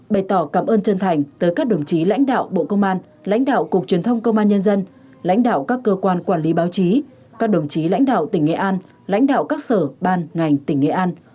bày tỏ cảm ơn chân thành tới các đồng chí lãnh đạo bộ công an lãnh đạo cục truyền thông công an nhân dân lãnh đạo các cơ quan quản lý báo chí các đồng chí lãnh đạo tỉnh nghệ an lãnh đạo các sở ban ngành tỉnh nghệ an